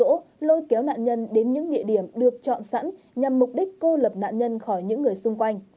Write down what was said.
chỗ lôi kéo nạn nhân đến những địa điểm được chọn sẵn nhằm mục đích cô lập nạn nhân khỏi những người xung quanh